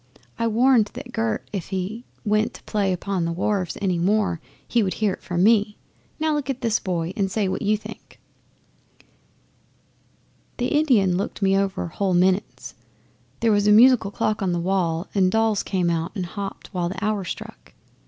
I warned that Gert if he went to play upon the wharves any more he would hear from me. Now look at this boy and say what you think." 'The Indian looked me over whole minutes there was a musical clock on the wall and dolls came out and hopped while the hour struck.